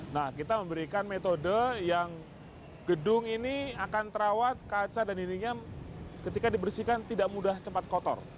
nah kita memberikan metode yang gedung ini akan terawat kaca dan ininya ketika dibersihkan tidak mudah cepat kotor